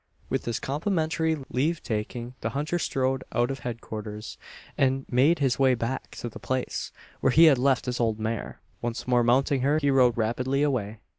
With this complimentary leave taking the hunter strode out of head quarters, and made his way back to the place where he had left his old mare. Once more mounting her, he rode rapidly away.